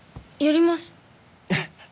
やります。